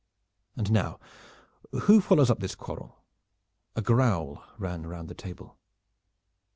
And now, who follows up this quarrel?" A growl ran round the table.